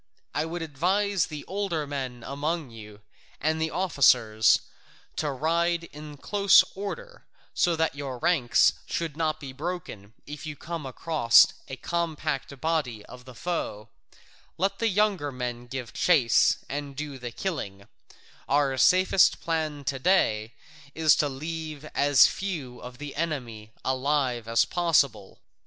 I would advise the older men among you and the officers, to ride in close order, so that your ranks should not be broken, if you come across a compact body of the foe; let the younger men give chase, and do the killing; our safest plan to day is to leave as few of the enemy alive as possible.